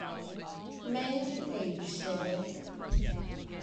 May I read, sir?